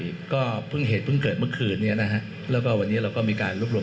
อีกก็เพิ่งเหตุเมื่อคืนนี้นะแล้วก็วันนี้เราก็มีการลูกรวม